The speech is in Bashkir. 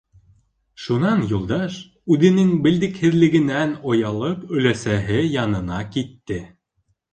Шунан Юлдаш, үҙенең белдекһеҙлегенән оялып, өләсәһе янына китте.